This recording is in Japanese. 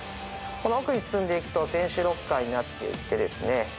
この奥に進んでいくと選手ロッカーになっていてですね